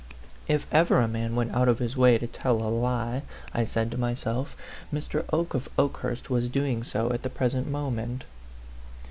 If ever a man went out of his way to tell a lie, I said to myself, Mr. Oke of Okehurst was doing so at the present moment.